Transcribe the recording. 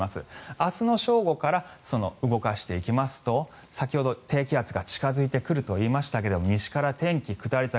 明日の正午から動かしていきますと先ほど低気圧が近付いてくると言いましたが西から天気下り坂。